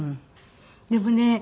でもね